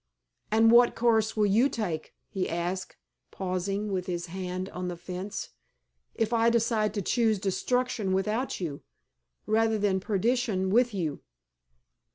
"And what course will you take," he asked, pausing with his hand on the fence, "if I decide to choose destruction without you, rather than perdition with you?"